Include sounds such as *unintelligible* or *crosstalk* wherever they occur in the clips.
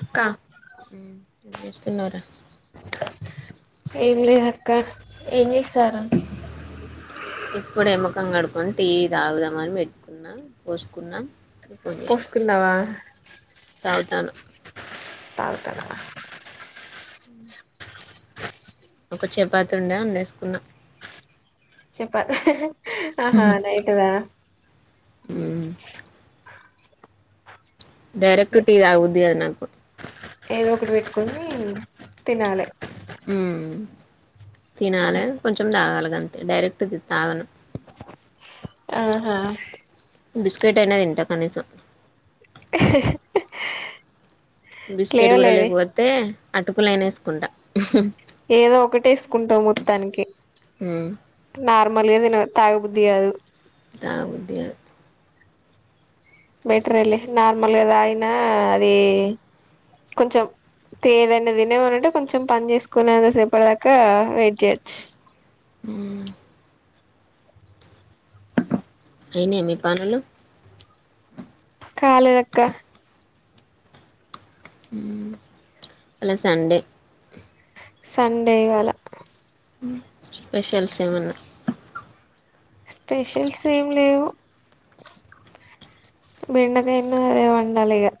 అక్క ఏం చేస్తున్నార ఇంక ఏం చేశారు ఇప్పుడే ముఖం కడుకొని టీ తాగుదామని పెట్టుకున్నాం పోసుకున్నాం పొస్కున్నవా తాగుతాను తాగుతనవ ఒక చపాతి ఉండే అన్లేస్కున్న చపా ఆహా నైట్దా ఉ డైరెక్ట్ టీ తాగబుద్ది కాదు నాకు ఏదో ఒకటి పెట్టుకోని తినాలే ఉమ్ తినాలే కొంచెం తాగాలే గంతే డైరెక్ట్ ఇది తాగను ఆహా బిస్కెట్ అయిన తింట కనీసం బిస్కెట్ కూడా లేవలేదే లేకపోతే అటుకులు అయిన ఏసుకుంటా ఏదో ఒకటి ఏసుకుంటావు మొత్తానికి ఉ మళ్దిన తాగుబుద్ధి కాదు తాగబుద్ధి కాదు బెటరే లే నార్మల్గా తాగిన అది కొంచెం తే దన తినమనంటే కొంచెం పని చేసుకునేంతా సేపటి దాకా వెయిట్ చేయొచ్చు అ అయినయ మీ పనులు కాలే దక్క ఇవాళ సండే సండే ఇవాల స్పెషల్స్ ఎమన్న స్పెషల్స్ ఏం లేవు బెండకాయ ఉన్నది అదే వండాలిగా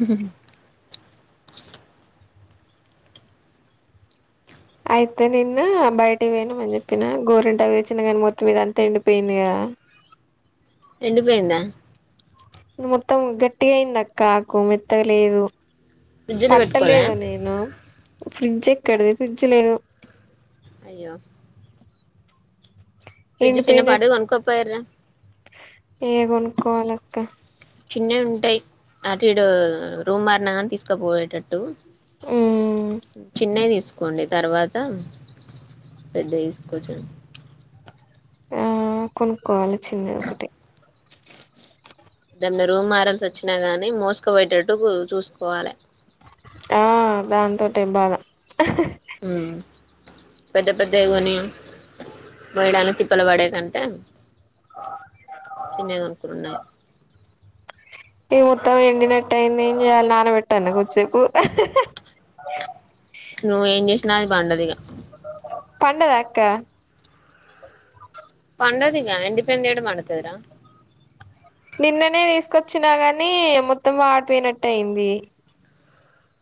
స అయితే నిన్న బయటకి పోయినం మని చెప్పిన గోరింటాకు తెచ్చిన కానీ మొత్తం ఇది అంత ఎండి పోయింది కదా ఎండిపేయిందా మొత్తం గట్టిగా అయింది అక్కా ఆకు మెత్తగలేదు. ఫ్రిడ్జ్ లో పెట్టుకోలే పట్టలేద నేనూ ఫ్రిడ్జ్ ఎక్కడిది ఫ్రిడ్జ్ లేదు. అయ్యో ఫ్రిడ్జ్ చిన్న ఎండిపోయినట్ పాటిది కొనుక్కో పోయిర్రా. ఇగ కొనుక్కోవాలక్కా చిన్నవి ఉంటయ్ అటు ఇటూ రూమ్ మారినా గాని తీసుకపోయేటట్టూ. ఉమ్ చిన్నయి తీసు కోండి తర్వాతా పెద్దయ్ తీసుకోవచ్చు. ఆ కొనుక్కోవాలి చిన్నది ఒకటి. ఏమన్న రూమ్ మారాల్సి వచ్చినా గాని మోసుకబోయేటట్టు చూసుకోవాలే. ఆ దాంతోటే బాధ ఊ పెద్ద పెద్దై గొనీ. మొయ్యడానిక్ తిప్పలు పడే కంటే చిన్నయ్ కొనుక్కునుడు నయం ఈ మొత్తం ఎండి నట్టయింది ఏం జెయ్యాలి నాన పెట్టాల్నా కొద్దిసేపూ. నువ్వు ఏం చేశినా అది పండదిగా. పండదా అక్కా పండదిగా ఎండిపోయింది ఏడ పండుతది రా. నిన్ననే తీసుకొచ్చినా గానీ ఇగ మొత్తం వాడిపోయినట్టు అయింది.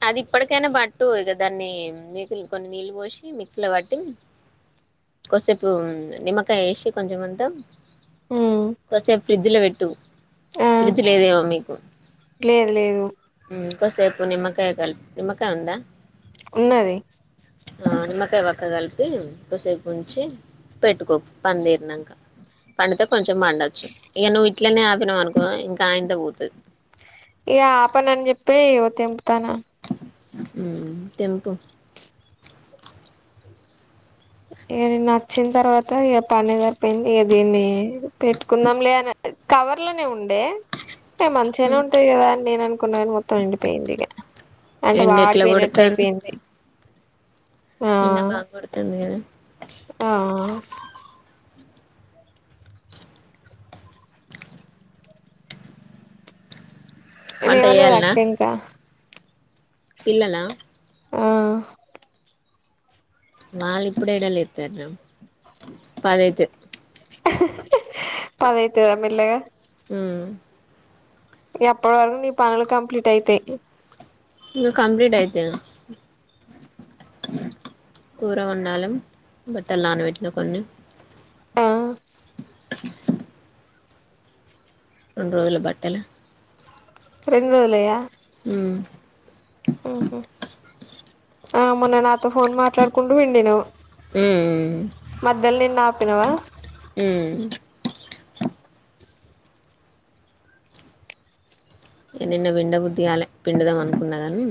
అది ఇప్పటికైనా పట్టు ఇగ దాన్నీ నీకుల్ కొన్ని నీళ్ళు పోశి మిక్స్ లో పట్టి. కొద్సేపూ నిమ్మకాయ ఏశి కొంచం అంతా. ఉమ్ కొద్సేపు ఫ్రిడ్జ్ లో పెట్టూ ఆ ఫ్రిడ్జ్ లేదేమో మీకు. లేదు లేదు. కొద్సేపు నిమ్మకాయ కల్పు నిమ్మకాయ ఉందా. ఉన్నది ఆ నిమ్మకాయ వక్క కల్పీ కొద్సేపు ఉంచీ పెట్టుకో పని తీరినంక. పండితే కొంచం పండొచ్చు ఇగ నువ్వు ఇట్లనే ఆపినవు అనుకో ఇంకా ఆయింత పోతది. ఇగ ఆపనని చెప్పే ఇగో తెంపుతానా. ఊ తెంపు. ఇగ నిన్నా అచ్చిన్ తర్వాతా ఇగ పనే సరిపోయింది ఇగ దీన్నీ పెట్టుకుందాంలే అని. కవర్లనే ఉండే. అయి మంచిగనే ఉమ్ ఉంటాయి గదా అని నేను అనుకున్నా గాని మొత్తం ఎండిపోయింది ఇగ. అంటే ఎండ ఎట్లా వాడిపోయినట్టు కొడతాంది అయిపోయింది. ఎండ బాగ కొడుతుంది గదా. ఆ ఆ వంట చేయాలనా లేవలేదక్క ఇంకా. పిల్లలా ఆ వాళ్ళు ఇప్పుడ్డేడ లేత్తర్రా పది అయితద్. పది అయితదా మెల్లగా. ఉమ్ ఇగ అప్పటి వరకు నీ పనులు కంప్లీట్ అయితయ్. ఇంగ కంప్లీట్ అయితయా. కూర వండాలెం బట్టల్ నానబెట్టిన కొన్ని. ఆ టుక్ టుక్. రెండు రోజుల బట్టలు రెండు రోజులయ ఉమ్ ఆ మొన్న నాతో ఫోన్ మాట్లాడుకుంటూ పిండినవ్ ఉమ్ మధ్యల్ నిన్న ఆపినవా ఉమ్ ఇగ నిన్న పిండ బుద్ధిగాలే పిండుదాం అనుకున్నా కానీ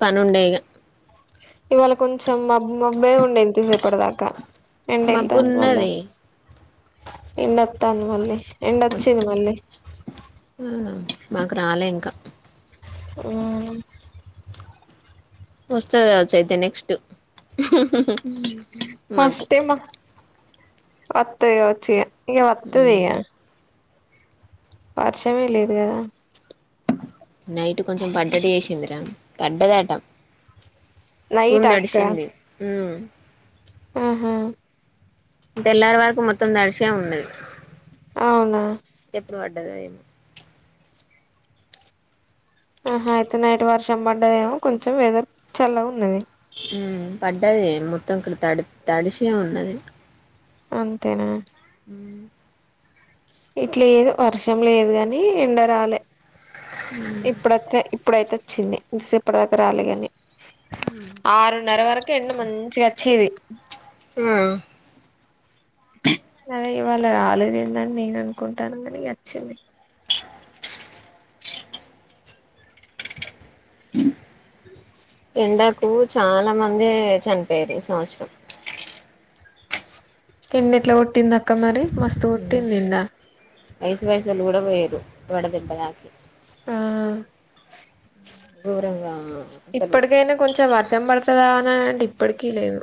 పనుండే ఇగ. ఇవాళ కొంచం మబ్ మబ్బే ఉండే ఇంతసేపటి దాకా. ఎండ మబ్బు ఎల్తాంది మళ్ళా ఉన్నది. ఎండొత్తాంది మళ్ళీ ఎండొచ్చింది మళ్ళీ. ఉమ్ మాకు రాలే ఇంకా. ఊమ్ వస్తది కావచ్చు అయితే నెక్స్టు మాకు వత్తయ్ వచ్చు ఇగ వత్తది ఉమ్ ఇగ వర్షమే లేదు కదా? నైటు కొంచెం పడ్డట్టు చేసింది రా పడ్డదట భూమి నైటా అక్క తడిషింది ఉమ్ ఆహా! తెల్లారి వరకు మొత్తం తడిషే ఉన్నది. అవునా ఇప్పుడు పడ్డది అయ్యినా ఆహా అయితే నైట్ వర్షం పడ్డదేమో కొంచం వెదర్ చల్లగా ఉన్నది. ఉమ్ పడ్డాది మొత్తం ఇక్కల్ తడు తడిషే ఉన్నది. అంతేనా? ఉమ్ ఇట్లేదు వర్షం లేదు కాని ఎండరాలే ఇప్పుడొత్తే. ఇప్పుడైతే వచ్చింది ఇంతసేపటి దాక రాలే గాని. ఆరున్నర వరకు ఎండ మంచిగా వచ్చేది ఆ అదే ఇవాళ రాలేదు ఏందని నేను అనుకుంటానంగానే ఇగ వచ్చింది ఎండక్ కు చాలా మందే చనిపోయారు ఈ సంవత్సరం కింద ఎట్లా కొట్టిందఅక్క మరి మస్తు కొట్టినిందా? వయసు వయసోల్లు కూడా పోయిర్రు వడ దెబ్బ దాకి ఆ ఘోరంగా అసలు ఇప్పటికైనా కొంచెం వర్షం పడతదా అని అంటే ఇప్పటికీ లేదు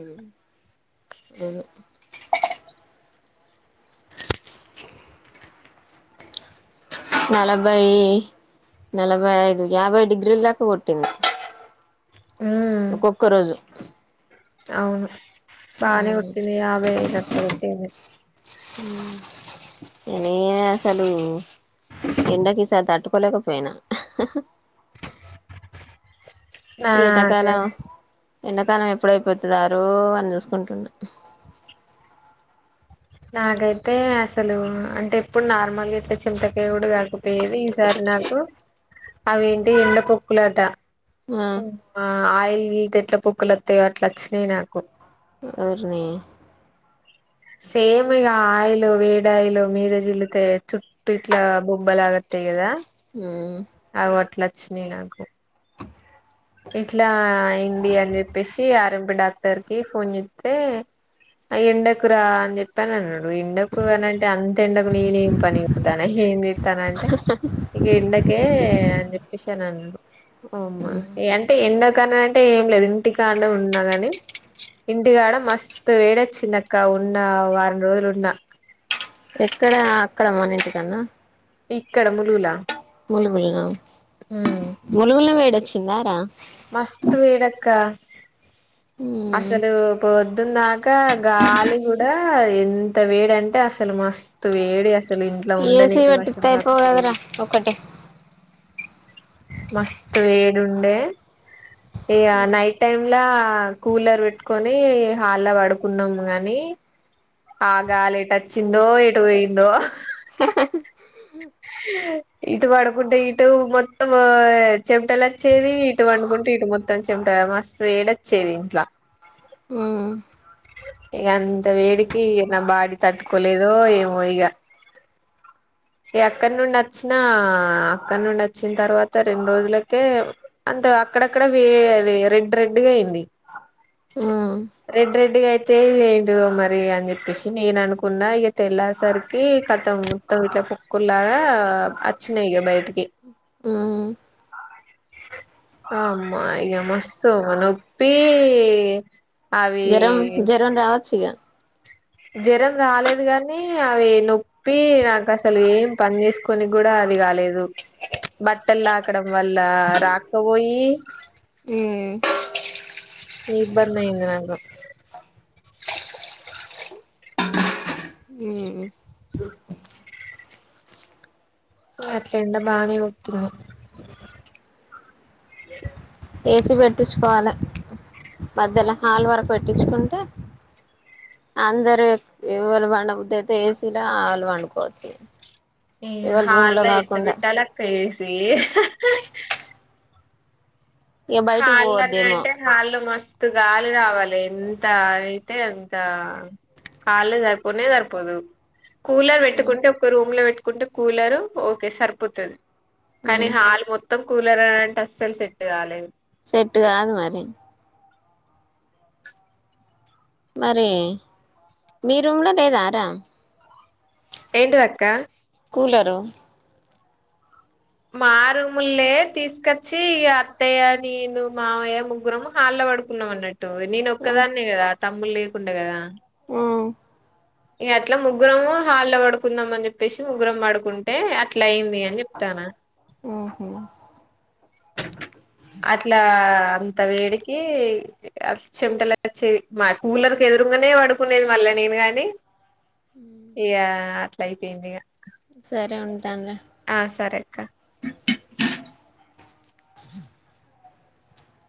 ఉమ్ డును నలభై నలభై ఐదు యాభై డిగ్రీల్ దాకా కొట్టింది ఉమ్ ఒక్కొక్క రోజు అవును బానే నేనే కోట్టింది యాబైఐదు అట్ల కొట్టింది ఉమ్ నేనై అసలు ఏండకి ఈసారి తట్టుకోలేకపోయినా ఎటకాల నాకే ఎండాకాలం ఎప్పుడైపోతుదారు అని చూసుకుంటూ ఉండు నాకైతే అసలు అంటే ఎప్పుడు నార్మల్ ఇట్లా చెమటకాయ కాకపోయేది ఈసారి నాకు అవి ఏంటి ఎండ పొక్కులట ఆ ఆయిల్ *unintelligible* చెల్లితే ఎట్లా పొకులు వస్తాయో అట్లా వచ్చినాయి నాకు ఓర్నీ సేమ్ ఈగ ఆయిలు వేడి ఆయిలు మీద జిల్లితే చుట్టూ ఇట్ల బొబ్బలాగా తయి గదా ఆ చ్చినయి నాకు డోర్ సౌండ్ ఇట్లా అయింది అని చెప్పేసి ఆర్. ఎం. పి డాక్టర్ కి ఫోన్ చేస్తే ఆ ఎండకురా అని చెప్పి అన్నాడు ఎండకు అని అంటే అంత ఎండకు నేనేం ఏం పని చేత్త న్న నేనేం తన అంటే ఇక ఎండకే అని చెప్పేసి అని అన్నడు ఓ అమ్మ ఇ అంటే ఎండకని అంటే ఏం లేదు ఇంటికానే ఉన్నానని ఇంటికాడ మస్తు వేడి వచ్చిందక్క ఉన్న వారం రోజులు ఉన్నా ఎక్కడ అక్కడ మన ఇంటి కాడన్నా ఇక్కడ ములుగు లా ములుగులనా ములుగుల వేడొచ్చిందార మస్తు వేడి అక్క మ్మ్ అసలు పొ పొద్దుందాక గాలి గూడా ఎంత వేడి అంటే అసలు మస్తు వేడి అసలు ఇంట్లో ఏసీ ఉండనీకి వసం పెట్టిత్తే అయిపోవు కదరా కాకపోయేది ఒక్కటే మస్తు వేడి ఉండే ఇగ నైట్ టైం లా కూలర్ పెట్టుకొని హాల్లో పడుకున్నాము గాని ఆ గాలి ఎటు వచ్చిందో ఏటు పోయిందో ఇటు పడుకుంటే ఇటు మొత్తం చమటలు వచ్చేది ఇటు పండుకుంటే ఇటు మొత్తం చెమటలు మస్తు వేడొచ్చేది ఇంట్లో మ్మ్ ఇగ అంత వేడికి నా బాడీ తట్టుకోలేదో ఏమో ఇగ ఈ అక్కడి నుండి వచ్చినా అక్కడ నుండి వచ్చిన తర్వాత రెండు రోజులకే అక్కడక్కడ వే అది రెడ్ రెడ్ గా అయింది ఉం రెడ్ రెడ్ గా అయితే ఏడు మరి అని చెప్పేసి నేను అనుకున్నా ఇగా తెల్లరే సరికి కతం మొత్తం ఇట్లా పొక్కులాగా అచ్చినయి ఇగ బయటికి మ్మ్ అమ్మ ఈగ మస్తు నొప్పి అవి జరం జరం రావచ్చగా జ్వరం రాలేదు కాగానీ అవి నొప్పి నాకు అసలు ఏం పని చేసుకొని కూడా అది కాలేదు బట్టలు లాకడం వల్ల రాక్క పోయి ఉం ఇబ్బంది అయింది నాకు మ్మ్ అట్లా ఎండ బానే కొట్టింది ఏసి పెట్టించుకోవాలి మధ్యలో హాల్ వరకు పెట్టించుకుంటే అందరు ఎవరూ పండ బుద్ది అయితే ఏసీలో వాల్లు పండుకోవచ్చు ఎవళ రూమ్ లో హాల్లో ఎట్ట కాకుండా పెట్టాలి అక్క ఏసి ఇగ బయటికి హాల్లోనే పోవద్దేమో అంటే హాళ్ళు మస్తు గాలి రావాలి ఎంత అ అయితే అంత హాల్లో సరిపోనే సరిపోదు కూలర్ మ్మ్ పెట్టుకుంటే ఒక్క రూమ్ లో పెట్టుకుంటే కూలరు ఓకే సరిపోతది కానీ మ్మ్ హల్ మొత్తం కూలర్ అంటే అస్సలు సెట్ కాలేదు సెట్ కాదు మరి మరి మీ రూమ్లో లేదారా ఏంటిదక్క కూలరరు మా రూములే తీసుకొచ్చి ఇ అత్తయ్య నేను మావయ్య ముగ్గురము హళ పడుకున్నాం అన్నట్టు నేను ఒక్కదాన్నే కదా తమ్ములు లేకుండా కదా ఉ ఇక అట్లా ముగ్గురం హాల్లో పడుకుందాం అని చెప్పేసి ముగ్గురం పడుకుంటే అట్లా అయి ది అని చెప్తానా ఓహో అట్లా అంత వేడికి చెమటలు వచ్చేది మా కూలర్ క ఎదురుగానే పడుకునేది మళ్ళని ఏమి కాని ఇక అట్లా అయిపోయింది ఇక సరే ఉంటాన రా ఆ సరే అక్క